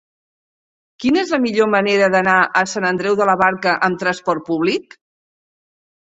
Quina és la millor manera d'anar a Sant Andreu de la Barca amb trasport públic?